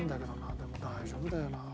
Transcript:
でも大丈夫だよな。